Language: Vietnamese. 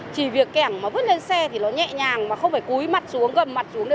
chỉ việc kẻng mà vứt lên xe thì nó nhẹ nhàng mà không phải cúi mặt xuống gầm mặt xuống để bốc